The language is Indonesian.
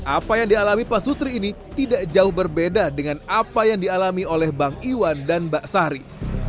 apa yang dialami pak sutri ini tidak jauh berbeda dengan apa yang dialami oleh bang iwan dan mbak sari